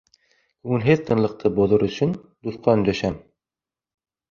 Күңелһеҙ тынлыҡты боҙор өсөн дуҫҡа өндәшәм: